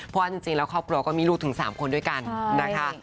เพราะว่าจริงแล้วครอบครัวก็มีลูกถึง๓คนด้วยกันนะคะ